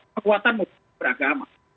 kekuatan maksud beragama